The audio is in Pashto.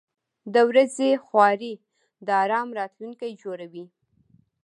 • د ورځې خواري د آرام راتلونکی جوړوي.